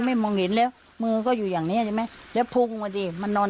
มองเห็นแล้วมือก็อยู่อย่างเนี้ยใช่ไหมแล้วพุ่งมาดิมันนอน